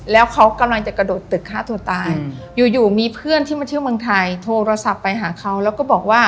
แล้วเขากำลังจะกระโดดตึกฆ่าตัวตายอยู่มีเพื่อนที่มาเที่ยวเมืองไทยโทรศัพท์ไปหาเขาแล้วก็บอกว่า